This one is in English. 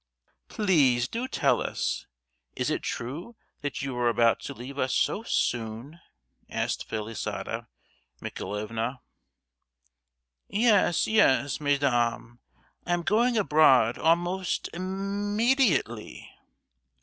"Prince, do tell us—is it true that you are about to leave us so soon?" asked Felisata Michaelovna. "Yes, yes, mesdames; I am going abroad almost im—mediately!"